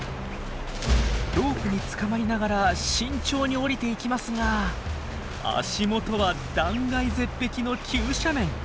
ロープにつかまりながら慎重に下りていきますが足元は断崖絶壁の急斜面。